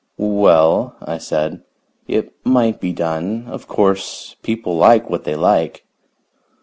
"Well," I said, "it might be done. Of course, people like what they like."